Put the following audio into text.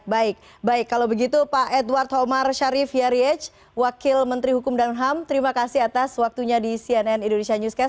baik baik kalau begitu pak edward homar syarif yariej wakil menteri hukum dan ham terima kasih atas waktunya di cnn indonesia newscast